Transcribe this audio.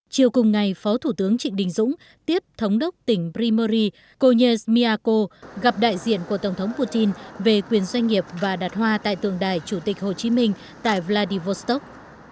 chiều cùng ngày phó thủ tướng trịnh đình dũng tiếp thống đốc tỉnh primori konyes miako gặp đại diện của tổng thống putin về quyền doanh nghiệp và đặt hoa tại tượng đài chủ tịch hồ chí minh tại vladivostok